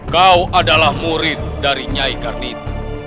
kau adalah murid dari nyai karnit